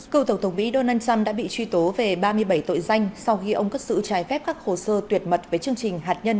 cựu tổng thống mỹ donald trump đã bị truy tố về ba mươi bảy tội danh sau khi ông cất sự trái phép các hồ sơ tuyệt mật với chương trình hạt nhân